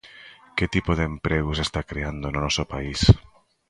¿Que tipo de emprego se está creando no noso país?